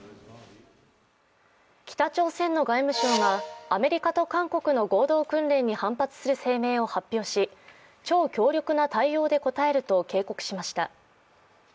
北朝鮮の外務省がアメリカと韓国の合同訓練に反発する声明を発表し超強力な対応で応えると警告しました。